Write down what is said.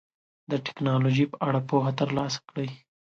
د ټکنالوژۍ په اړه پوهه ترلاسه کړئ.